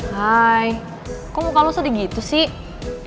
hai kok muka lo sedih gitu sih